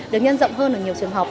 được nhân rộng hơn ở nhiều trường học